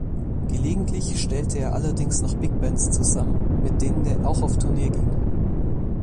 Gelegentlich stellte er allerdings noch Bigbands zusammen, mit denen er auch auf Tournee ging.